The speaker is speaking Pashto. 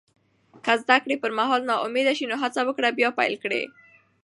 که د زده کړې پر مهال ناامید شې، نو هڅه وکړه بیا پیل کړې.